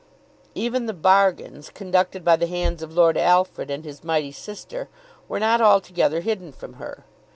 Even the bargains, conducted by the hands of Lord Alfred and his mighty sister, were not altogether hidden from her.